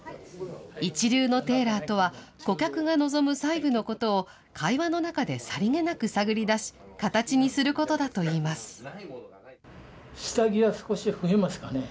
一流のテーラーとは、顧客が望む細部のことを会話の中でさりげなく探り出し、形にする下着は少し増えますかね？